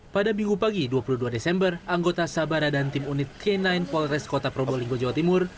pada minggu pagi dua puluh dua desember anggota sabara dan tim unit k sembilan polres kota probolinggo jawa timur